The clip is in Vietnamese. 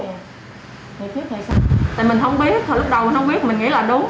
tại mình không biết lúc đầu mình không biết mình nghĩ là đúng